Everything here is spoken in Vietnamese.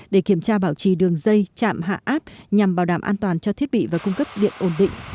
để kiểm tra bảo trì đường dây chạm hạ áp nhằm bảo đảm an toàn cho thiết bị và cung cấp điện ổn định